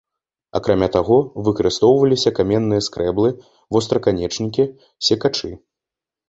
Акрамя таго, выкарыстоўваліся каменныя скрэблы, востраканечнікі, секачы.